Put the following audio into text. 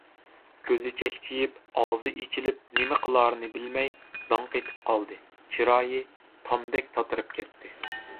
كۆزى چەكچىيىپ، ئاغزى ئېچىلىپ، نېمە قىلارىنى بىلمەي داڭقېتىپ قالدى، چىرايى تامدەك تاتىرىپ كەتتى.